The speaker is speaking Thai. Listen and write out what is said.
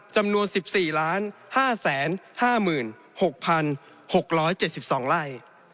จำนวน๑๔๕๕๖๖๗๒ไร่